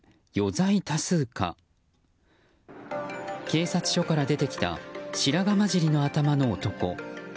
警察署から出てきた白髪交じりの頭の男。